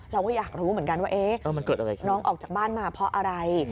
เราก็อยากรู้เหมือนกันว่าน้องออกจากบ้านมาเพราะอะไร